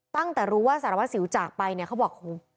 ตั้งแต่รู้ว่าสารวัฒน์สิวจากไปเขาบอก